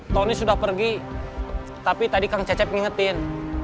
tony sudah pergi tapi tadi kang cecep ngingetin